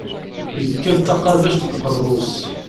Yekkat taqabact deg uqerru-s.